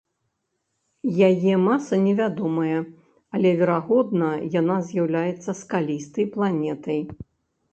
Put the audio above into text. Яе маса невядомая, але, верагодна, яна з'яўляецца скалістай планетай.